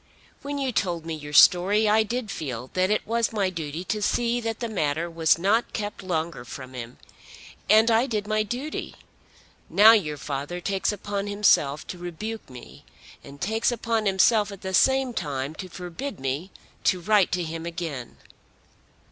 When you told me your story I did feel that it was my duty to see that the matter was not kept longer from him; and I did my duty. Now your father takes upon himself to rebuke me, and takes upon himself at the same time to forbid me to write to him again!"